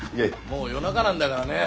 もう夜中なんだからね？